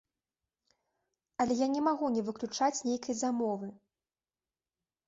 Але я не магу не выключаць нейкай замовы.